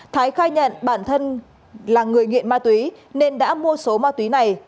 thái khai nhận bản thân là người nghiện ma túy nên đã mua số ma túy này